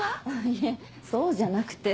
いえそうじゃなくて。